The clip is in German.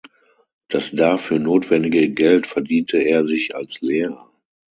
Das dafür notwendige Geld verdiente er sich als Lehrer.